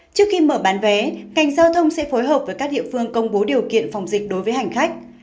trước khi mở bán vé ngành giao thông sẽ phối hợp với các địa phương công bố điều kiện phòng dịch đối với hành khách